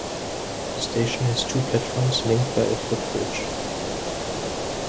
The station has two platforms linked by a footbridge.